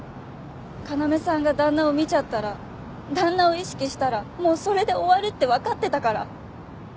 要さんが旦那を見ちゃったら旦那を意識したらもうそれで終わりってわかってたから。